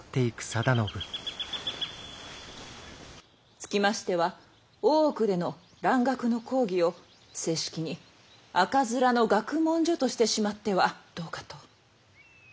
つきましては大奥での蘭学の講義を正式に赤面の学問所としてしまってはどうかと。